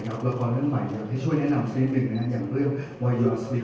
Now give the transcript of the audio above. ก็คือเป็นสิ่งที่คุณดีต้องทำให้ร่วมงานกับคุณซูจี